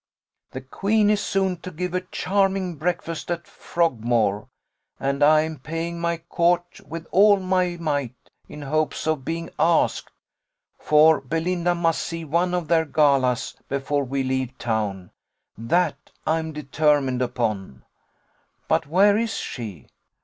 The queen is soon to give a charming breakfast at Frogmore, and I am paying my court with all my might, in hopes of being asked; for Belinda must see one of their galas before we leave town, that I'm determined upon. But where is she?"